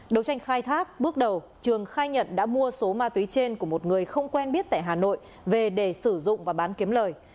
đấu tranh khai thác bước đầu trường khai nhận đã mua số ma túy trên của một người không quen biết tại hà nội về để sử dụng và bán kiếm lời